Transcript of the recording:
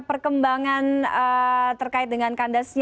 perkembangan terkait dengan kandasnya